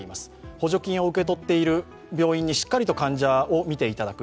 補助金を受け取っている病院にしっかりと患者を診ていただく。